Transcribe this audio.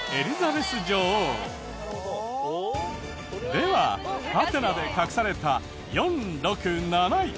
ではハテナで隠された４６７位。